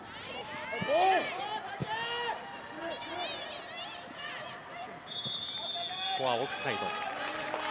ここはオフサイド。